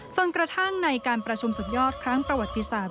จนกระทั่งในการประชุมสุดยอดครั้งประวัติศาสต